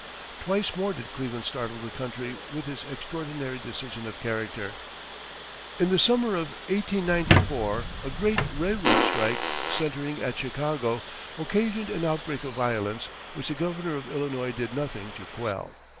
Twice more did Cleveland startle the country with his extraordinary decision of character. In the summer of 1894, a great railroad strike, centering at Chicago, occasioned an outbreak of violence, which the governor of Illinois did nothing to quell.